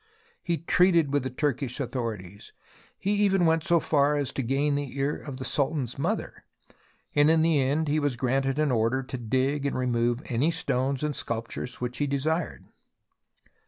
He treated with the Turkish authorities, he even went so far as to gain the ear of the Sultan's mother, and in the end he was granted an order to dig and remove any stones and sculptures which he desired.